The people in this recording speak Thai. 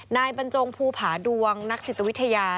นายบรรจงภูผาดวงนักจิตวิทยา